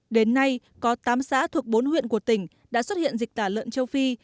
đến nay có tám xã thuộc bốn huyện của tỉnh đã xuất hiện dịch tả lợn châu phi